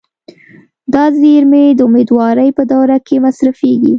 دا زیرمې د امیدوارۍ په دوره کې مصرفېږي.